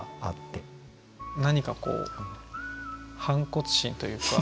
何か反骨心というか。